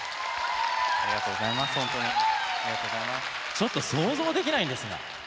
ちょっと想像できないんですが。